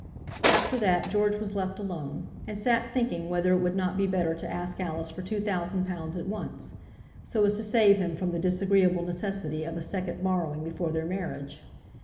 After that George was left alone, and sat thinking whether it would not be better to ask Alice for two thousand pounds at once, so as to save him from the disagreeable necessity of a second borrowing before their marriage.